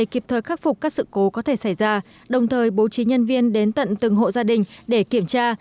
giúp phục các sự cố có thể xảy ra đồng thời bố trí nhân viên đến tận từng hộ gia đình để kiểm tra